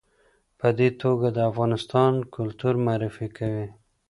په دې توګه د افغانستان کلتور معرفي کوي.